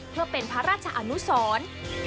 เพื่อเป็นพระราชอนุสร